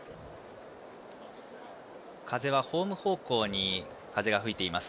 風はホーム方向に吹いています。